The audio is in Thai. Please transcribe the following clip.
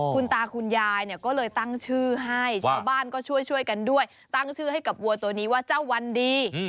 คุณตาคุณยายเนี่ยก็เลยตั้งชื่อให้ชาวบ้านก็ช่วยช่วยกันด้วยตั้งชื่อให้กับวัวตัวนี้ว่าเจ้าวันดี